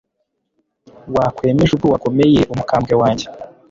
wakwemeje ubwo wagomeye umukambwe wanjye